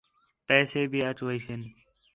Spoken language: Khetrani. پیسے بھی اَچ ویسِن